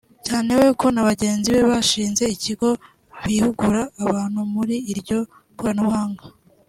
cyane ko we na bagenzi be bashinze ikigo gihugura abantu muri iryo koranabuhanga